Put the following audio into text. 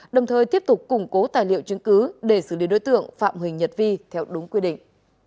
đồng thời tiếp tục củng cố tài liệu chứng cứ để xử lý đối tượng phạm huỳnh nhật vi theo đúng quy định